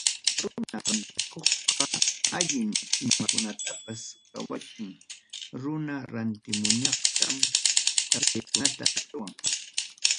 Runa rantikuqqa, allin imakunatapas qawachin. Runa rantimuqñataq tapuykunata ruwan.